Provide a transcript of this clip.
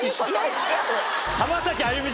違う。